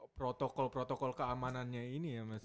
protokol protokol keamanannya ini ya mas ya